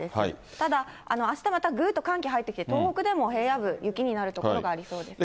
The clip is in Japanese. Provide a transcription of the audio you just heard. ただ、あしたまたぐーっと寒気入ってきて、東北でも平野部雪になる所がありそうですね。